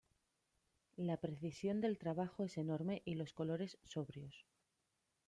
La precisión del trabajo es enorme y los colores sobrios.